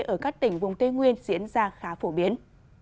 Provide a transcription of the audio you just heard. ở các tỉnh vùng tây nguyên diễn ra khá phổ biến